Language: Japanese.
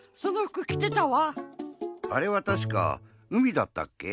あれはたしかうみだったっけ？